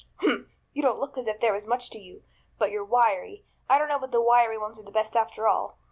"Humph! You don't look as if there was much to you. But you're wiry. I don't know but the wiry ones are the best after all.